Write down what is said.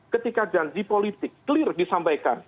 ketika janji politik clear disampaikan